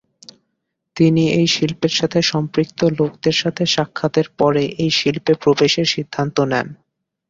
তিনি এই শিল্পের সাথে সম্পৃক্ত লোকদের সাথে সাক্ষাতের পরে এই শিল্পে প্রবেশের সিদ্ধান্ত নেন।